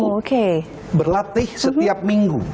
satu tahun itu berlatih setiap minggu